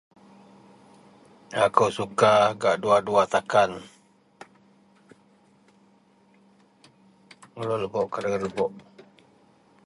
Akou suka gak duwa-duwa takan… ….. [unintelligible] gak luwer lebok, gak dagen lebok